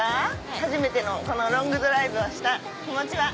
初めてのこのロングドライブをした気持ちは。